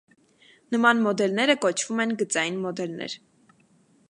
Նման մոդելները կոչվում են գծային մոդելներ։